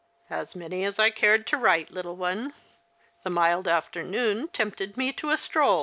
" x\.s many as I cared to write, little one. The mild afternoon tempted me to a stroll."